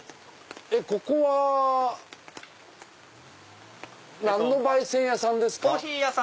ここは何の焙煎屋さんですか？